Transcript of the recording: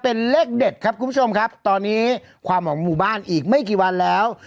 เป็นเลขเด็ดครับคุณผู้ชมครับตอนนี้ความของหมู่บ้านอีกไม่กี่วันแล้ว